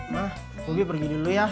ma bobby pergi dulu ya